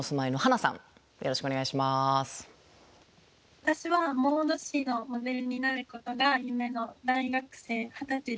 私はモード誌のモデルになることが夢の大学生二十歳です。